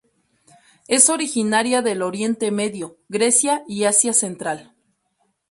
Es originaria del Oriente Medio, Grecia y Asia Central.